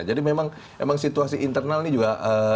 jadi memang situasi internal ini juga